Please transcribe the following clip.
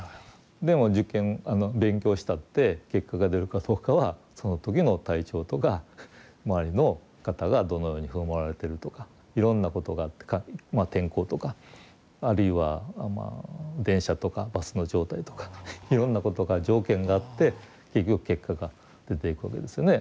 でも受験勉強したって結果が出るかどうかはその時の体調とか周りの方がどのように振る舞われてるとかいろんなことがあってまあ天候とかあるいは電車とかバスの状態とかいろんなことが条件があって結局結果が出ていくわけですよね。